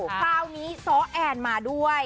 คราวนี้ซ้อแอนมาด้วย